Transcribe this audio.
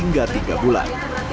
atau hingga tiga bulan